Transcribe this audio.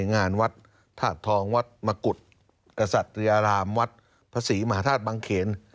งานวัดธาตุทองวัดมกุฎกษัตริยารามวัดพระศรีมหาธาตุบังเขน